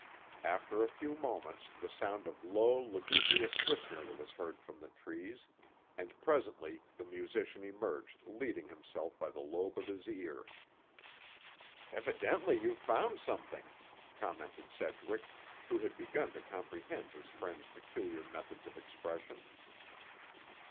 After a few moments the sound of low lugubrious whistling was heard from the trees, and presently the musician emerged leading himself by the lobe of his ear. "Evidently you've found something," commented Sedgwick, who had begun to comprehend his friend's peculiar methods of expression.